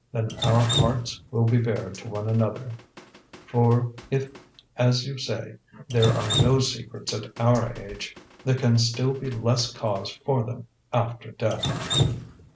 Then our hearts will be bared to one another; for if, as you say, there are no secrets at our age, there can still be less cause for them after death."